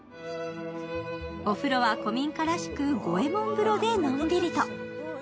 お風呂は古民家らしく五右衛門風呂でのんびりと。